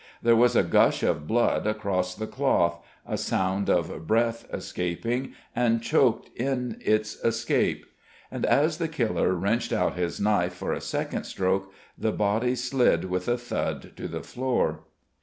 There was a gush of blood across the cloth, a sound of breath escaping and choked in its escape: and as the killer wrenched out his knife for a second stroke, the body slid with a thud to the floor.